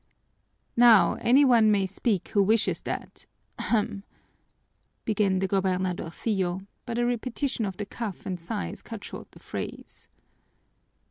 "Now any one may speak who wishes that ahem!" began the gobernadorcillo, but a repetition of the cough and sighs cut short the phrase.